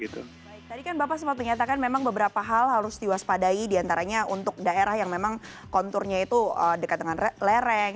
tadi kan bapak sempat menyatakan memang beberapa hal harus diwaspadai diantaranya untuk daerah yang memang konturnya itu dekat dengan lereng